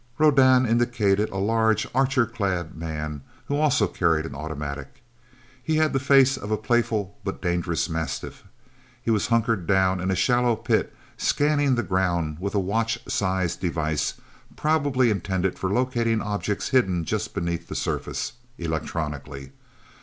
Rodan indicated a large, Archer clad man, who also carried an automatic. He had the face of a playful but dangerous mastiff. He was hunkered down in a shallow pit, scanning the ground with a watch sized device probably intended for locating objects hidden just beneath the surface, electronically.